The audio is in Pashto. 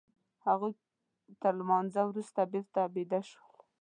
هغوی تر لمانځه وروسته بېرته بيده شول.